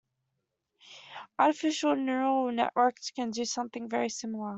Artificial neural networks can do something very similar.